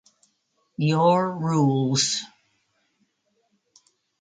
Your Rules.